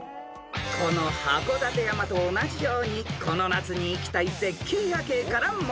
［この函館山と同じようにこの夏に行きたい絶景夜景から問題］